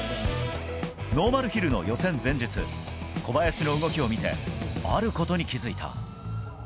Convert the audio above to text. ノーマルヒルの予選前日、小林の動きを見て、あることに気付いた。